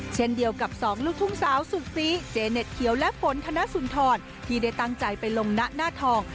เช่นเดียวกับสองลูกทุ่งสาวสุดสีเจเน็ตเขียวและฝนธนสุนทรที่ได้ตั้งใจไปลงหน้าทอง